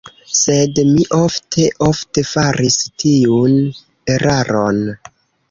Sed mi ofte, ofte faris tiun eraron.